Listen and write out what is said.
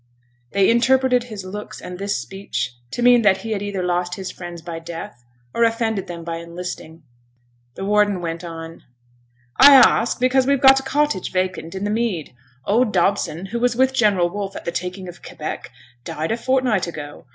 They interpreted his looks and this speech to mean that he had either lost his friends by death, or offended them by enlisting. The warden went on, 'I ask, because we've got a cottage vacant in the mead. Old Dobson, who was with General Wolfe at the taking of Quebec, died a fortnight ago.